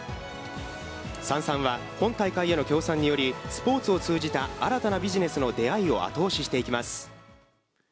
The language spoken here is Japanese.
Ｓａｎｓａｎは、本大会への協賛により、スポーツを通じた新たなビジネスの「出会い」を後押していきます。